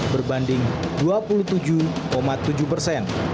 berbanding dua puluh persen